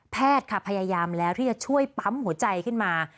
แพทย์ค่ะพยายามแล้วที่จะช่วยปั๊มหัวใจขึ้นมา